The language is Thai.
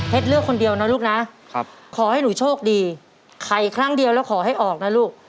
เลือกคนเดียวนะลูกนะขอให้หนูโชคดีไขครั้งเดียวแล้วขอให้ออกนะลูก